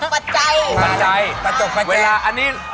พร้อมกับประจัยประจัยประจบประแจ